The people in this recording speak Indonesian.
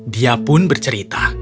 dia pun bercerita